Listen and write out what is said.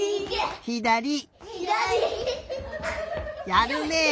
やるねえ。